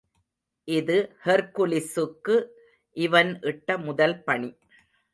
இது ஹெர்க்குலிஸுக்கு அவன் இட்ட முதல் பணி.